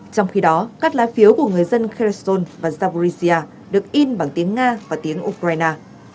trong khi đó các lá phiếu của người dân khereson và zaborizhia được in bằng tiếng nga và tiếng ukraine